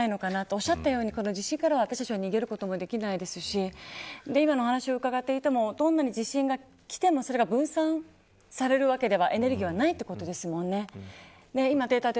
おっしゃったように、地震からは私たちは逃げることができないですし今のお話を伺っていてもどんなに地震が来てもそれがエネルギーが分散されるわけじゃないということですもんね。